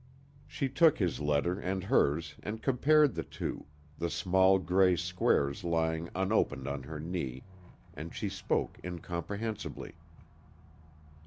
She took his letter and hers and compared the two, the small, gray squares lying unopened on her knee, and she spoke incomprehensibly.